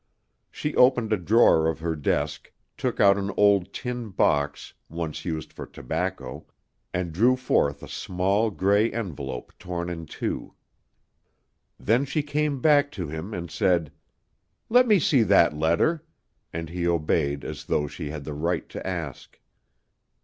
She opened a drawer of her desk, took out an old tin box, once used for tobacco, and drew forth a small, gray envelope torn in two. Then she came back to him and said, "Let me see that letter," and he obeyed as though she had the right to ask.